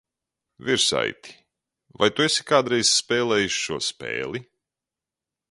Virsaiti, vai tu esi kādreiz spēlējis šo spēli?